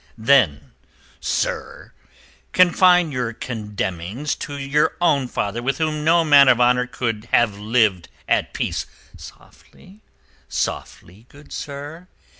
"Then, Sir, confine your condemnings to your own father with whom no man of honour could have lived at peace...." "Softly, softly, good Sir...."